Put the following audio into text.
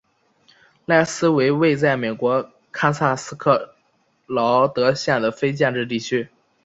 赖斯为位在美国堪萨斯州克劳德县的非建制地区。